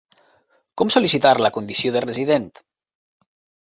Com sol·licitar la condició de resident.